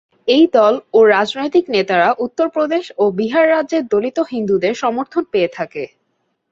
এই দল ও রাজনৈতিক নেতারা উত্তরপ্রদেশ ও বিহার রাজ্যের দলিত হিন্দুদের সমর্থন পেয়ে থাকে।